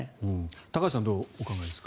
高橋さんはどうお考えですか。